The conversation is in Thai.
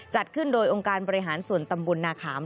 จัดขึ้นโดยองค์การบริหารส่วนตำบลนาขาม